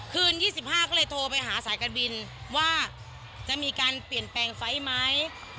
คืน๒๕ก็เลยโทรไปหาสายการบินว่าจะมีการเปลี่ยนแปลงไฟล์ไหม